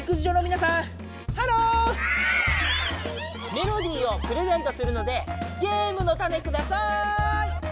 メロディーをプレゼントするのでゲームのタネください！